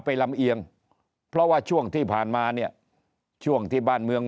ลำเอียงเพราะว่าช่วงที่ผ่านมาเนี่ยช่วงที่บ้านเมือง